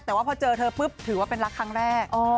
แต่พอเจอเธอถือว่าเป็นรักครั้งแรก